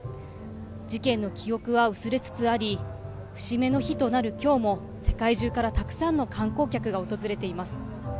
事件の記憶は薄れつつあり節目の日となる今日も世界中からたくさんの観光客が訪れています。